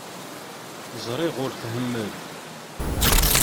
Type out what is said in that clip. Ẓriɣ ur t-tḥemmel.